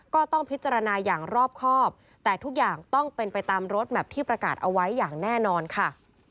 ก็ต้องพิจารณาอย่างรอบครอบแต่ทุกอย่างต้องเป็นไปตามรถแมพที่ประกาศเอาไว้อย่างแน่นอนค่ะ